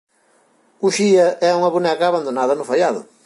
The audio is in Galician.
Uxía é unha boneca abandonada no faiado.